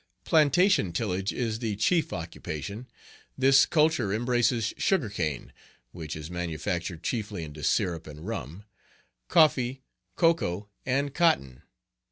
Plantation tillage is the chief occupation. This culture embraces sugar cane (which is manufactured chiefly into syrup and rum), coffee, cocoa, and cotton.